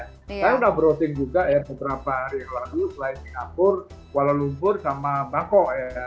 saya sudah browthing juga ya beberapa hari yang lalu selain singapura kuala lumpur sama bangkok ya